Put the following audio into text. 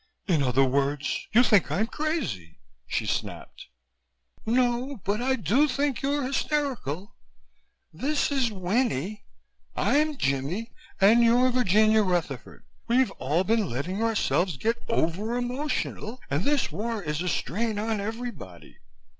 "In other words, you think I'm crazy!" she snapped. "No, but I do think you're hysterical. This is Winnie, I'm Jimmie and you're Virginia Rutherford. We've all been letting ourselves get over emotional and this war is a strain on everybody.